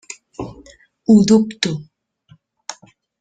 Ho dubto.